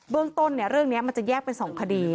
เรื่องต้นเรื่องนี้มันจะแยกเป็น๒คดี